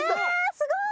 すごい！